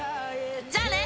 じゃあね！